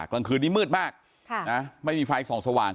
กลางคืนนี้มืดมากไม่มีไฟส่องสว่าง